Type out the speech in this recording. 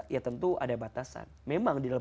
ya tentu ada batasan memang di dalam